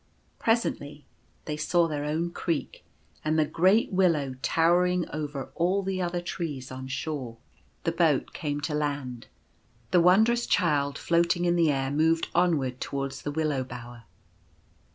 Presently they saw their own creek, and the great Willow towering over all the other trees on shore. 1 90 Farewell. The boat came to land. The Wondrous Child, float ing in the air, moved onward towards the Willow Bower.